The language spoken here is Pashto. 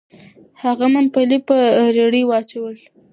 هغه ممپلي په رېړۍ واچول. .